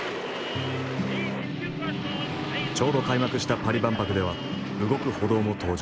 ちょうど開幕したパリ万博では動く歩道も登場。